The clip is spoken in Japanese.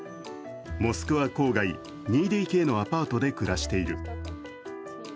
モスクワ郊外２ＤＫのアパートで暮らしている。